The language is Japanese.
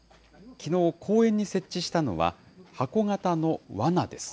きのう、公園に設置したのは、箱型のわなです。